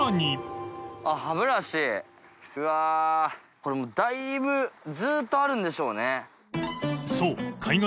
これもうだいぶずっとあるんでしょうね。